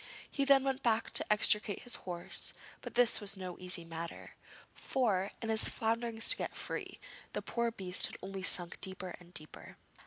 He then went back to extricate his horse, but this was no easy matter, for, in his flounderings to get free, the poor beast had only sunk deeper and deeper.